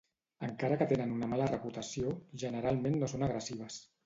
Encara que tenen una mala reputació, generalment no són agressives.